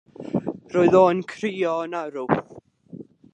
Roedd o yn crio yn arw.